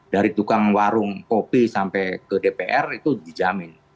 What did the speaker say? dari tukang warung kopi sampai ke dpr itu dijamin